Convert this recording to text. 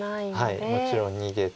もちろん逃げて。